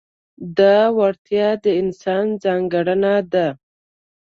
دا وړتیا د انسان ځانګړنه ده.